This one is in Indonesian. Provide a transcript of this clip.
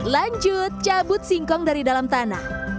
lanjut cabut singkong dari dalam tanah